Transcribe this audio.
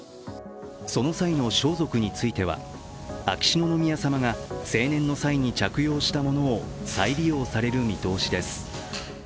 その際の装束については、秋篠宮さまが成年の際に着用したものを再利用される見通しです。